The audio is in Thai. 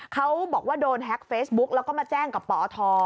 เขาบอกว่าโดนแฮ็กเฟซบุ๊กแล้วก็มาแจ้งกับปอท